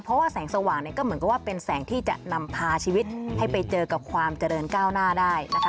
เพราะว่าแสงสว่างก็เหมือนกับว่าเป็นแสงที่จะนำพาชีวิตให้ไปเจอกับความเจริญก้าวหน้าได้นะคะ